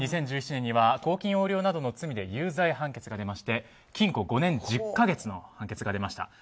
２０１７年には公金横領などの罪で有罪判決が出まして禁錮５年１０か月の判決が出ました。